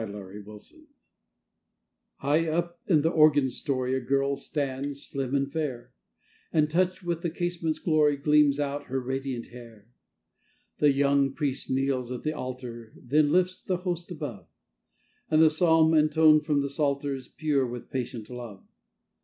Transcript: AT VESPERS High up in the organ story A girl stands, slim and fair; And touched with the casement's glory Gleams out her radiant hair. The young priest kneels at the altar, Then lifts the Host above; And the psalm intoned from the psalter Is pure with patient love.